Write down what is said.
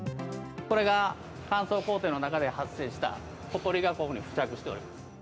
これが乾燥工程の中で発生した、ほこりがここに付着しておるんです。